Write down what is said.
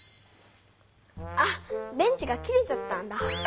あ電池が切れちゃったんだ。